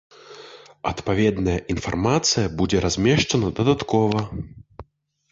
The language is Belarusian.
Адпаведная інфармацыя будзе размешчана дадаткова.